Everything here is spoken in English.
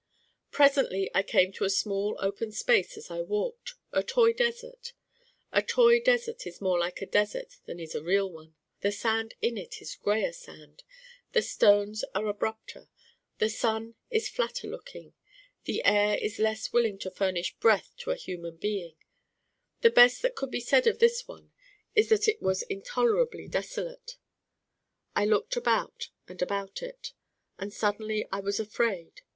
Presently I came to a small open space as I walked, a toy desert. A toy desert is more like a desert than is a real one. The sand in it is grayer sand. The stones are abrupter. The sun is flatter looking. The air is less willing to furnish breath to a human being. The best that could be said of this one is that it was intolerably desolate. I looked about and about it. And suddenly I was afraid.